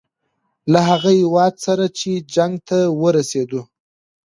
له هغه هیواد سره چې جنګ ته ورسېدو.